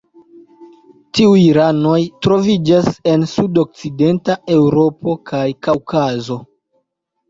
Tiuj ranoj troviĝas en sudokcidenta Eŭropo kaj Kaŭkazo.